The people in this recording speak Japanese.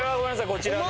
こちらの。